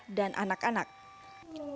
seperti lansia dina dan nantin